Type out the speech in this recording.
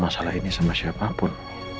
masalah ini sama siapapun